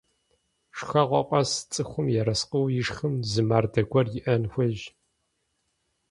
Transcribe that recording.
Шхэгъуэ къэс цӀыхум ерыскъыуэ ишхым зы мардэ гуэр иӀэн хуейщ.